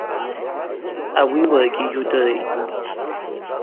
Ауи уаргьи йудыритӏ.